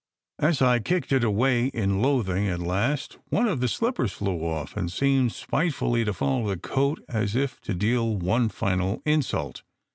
As I kicked it away in loathing at last, one of the slippers flew off and seemed spitefully to follow the coat as if to deal one final insult.